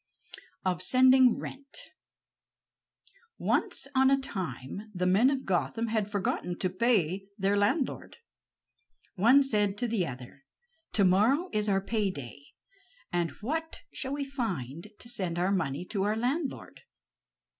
OF SENDING RENT Once on a time the men of Gotham had forgotten to pay their landlord. One said to the other: "To morrow is our pay day, and whom shall we find to send our money to our landlord?"